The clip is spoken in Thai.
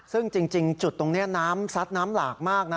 ซึ่งจริงจุดตรงนี้น้ำซัดน้ำหลากมากนะ